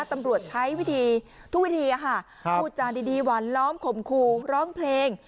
ตำรวจใช้วิธีทุกวิธีพูดจาดีหวานล้อมขมครูร้องเพลง